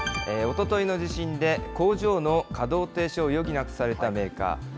おとといの地震で、工場の稼働停止を余儀なくされたメーカー。